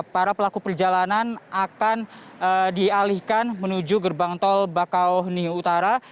para pelaku perjalanan akan dialihkan menuju gerbang tol bakau huni utara